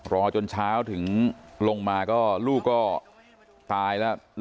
รอจนเช้าถึงลงมาก็ลูกก็ตายแล้ว